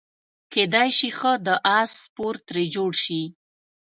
کیدای شي ښه د اس سپور ترې جوړ شي.